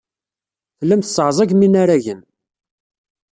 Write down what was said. Tellam tesseɛẓagem inaragen.